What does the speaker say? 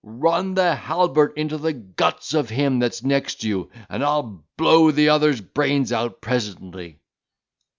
run the halbert into the guts of him that's next you, and I'll blow the other's brains out presently."